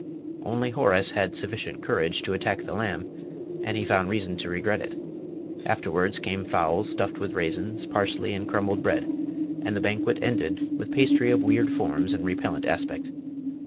Only Horace had sufficient courage to attack the lamb and he found reason to regret it. Afterwards came fowls stuffed with raisins, parsley, and crumbled bread, and the banquet ended with pastry of weird forms and repellent aspect.